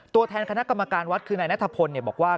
ตัวแทนคณะกรรมการวัดคือนายนัทพลบอกว่า